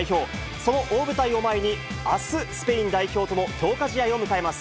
その大舞台を前に、あす、スペイン代表との強化試合を迎えます。